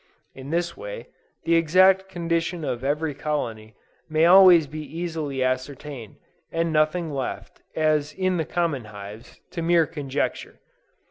In this way, the exact condition of every colony may always be easily ascertained, and nothing left, as in the common hives, to mere conjecture.